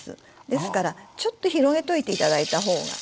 ですからちょっと広げといて頂いた方が。